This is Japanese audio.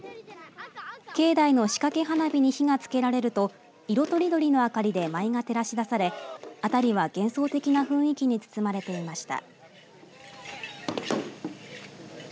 境内の仕掛け花火に火がつけられると色とりどりの明かりで舞が照らし出され辺りは幻想的な雰囲気に包まれていました。